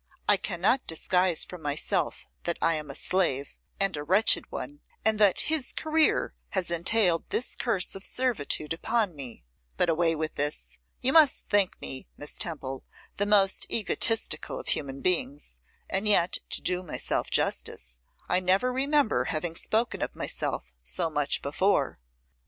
I cannot disguise from myself that I am a slave, and a wretched one, and that his career has entailed this curse of servitude upon me. But away with this! You must think me, Miss Temple, the most egotistical of human beings; and yet, to do myself justice, I never remember having spoken of myself so much before.